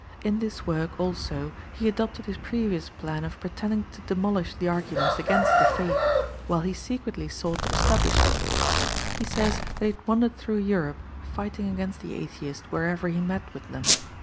In this work also he adopted his previous plan of pretending to demolish the arguments against the Faith, while he secretly sought to establish them. He says that he had wandered through Europe fighting against the Atheists wherever he met with them.